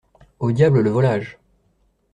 Au diable le volage!